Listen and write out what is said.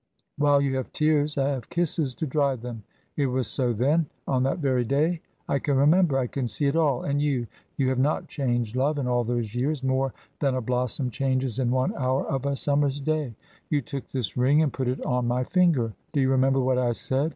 While you have tears, I have kisses to dry them it was so then, on that very day. I can remember. I can see it all and you. You have not changed, love, in all those years, more than a blossom changes in one hour of a summer's day! You took this ring and put it on my finger. Do you remember what I said?